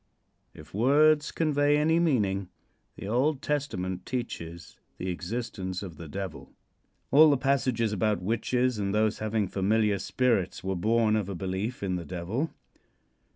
If words convey any meaning, the Old Testament teaches the existence of the Devil. All the passages about witches and those having familiar spirits were born of a belief in the Devil.